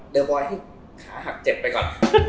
เดี๋ยวบอยให้ขาหักเจ็บไปก่อน